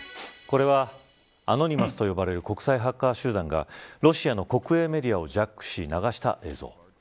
これはアノニマスと呼ばれる国際ハッカー集団がロシアの国営メディアをジャックし、流した映像。